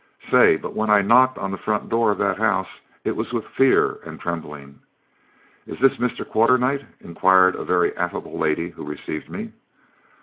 Say, but when I knocked on the front door of that house it was with fear and trembling. 'Is this Mr. Quarternight?' inquired a very affable lady who received me.